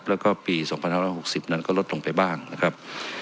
แล้วก็ปี๒๕๖๐นั้นก็ลดลงไปบ้างนะครับ